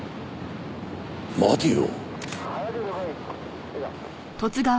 待てよ。